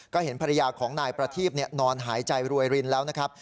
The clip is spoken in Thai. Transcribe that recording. ก็เห็นภรรยาของนายประทีบนอนหายใจรวยรินแล้วนะครับ